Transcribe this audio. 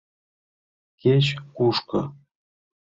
— Кеч-кушко...